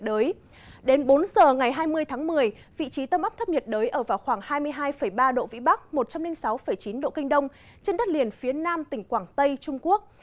đến bốn h ngày hai mươi tháng một mươi vị trí tâm áp thấp nhiệt đới ở vào khoảng hai mươi hai ba độ vĩ bắc một trăm linh sáu chín độ kinh đông trên đất liền phía nam tỉnh quảng tây trung quốc